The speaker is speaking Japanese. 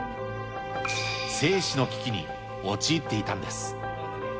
生死の危機に陥っていたんです。